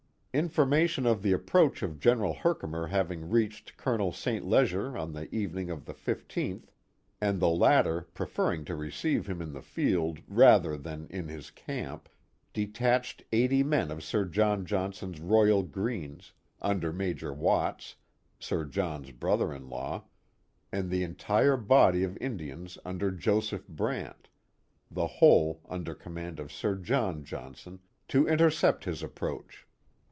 Information of the approach of General Herkimer having reached Colonel St. Leger on the evening of the 5th, and the latter preferring to receive him in the field rather than in his camp, detachedeightymenof Si r John Johnson's Royal Greens, under Major Watts, Sir John's brother in law, and the entire Oriskany 419 body of Indians under Joseph Brant, the whole under com mand of Sir John Johnson, to intercept his approach.